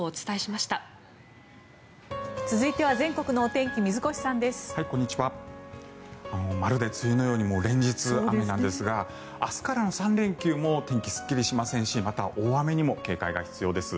まるで梅雨のように連日雨なんですが明日からの３連休も天気がすっきりしませんしまた大雨にも警戒が必要です。